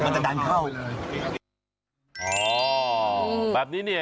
มันจะดันเข้าอ๋อแบบนี้เนี่ย